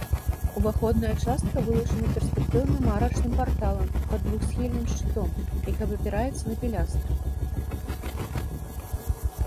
Уваходная частка вылучана перспектыўным арачным парталам пад двухсхільным шчытом, які абапіраецца на пілястры.